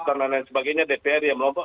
dan lain sebagainya dpr ya melompat